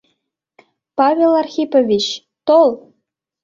— Павел Архипович, тол!